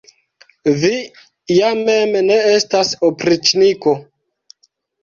Vi ja mem ne estas opriĉniko!